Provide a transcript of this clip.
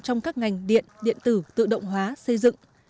trong các ngành điện điện tử tự động hóa xây dựng